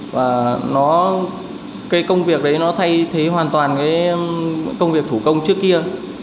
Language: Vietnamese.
và nó cái công việc đấy nó thay thế hoàn toàn cái công việc thủ công trước kia